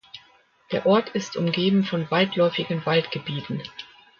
Der Ort ist umgeben von weitläufigen Waldgebieten.